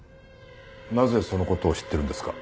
なぜその事を知ってるんですか？